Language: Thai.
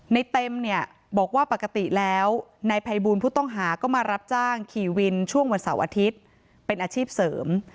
เต็มเนี่ยบอกว่าปกติแล้วนายภัยบูลผู้ต้องหาก็มารับจ้างขี่วินช่วงวันเสาร์อาทิตย์เป็นอาชีพเสริม